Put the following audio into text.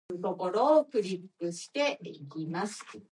He was not selected as the Conservative candidate.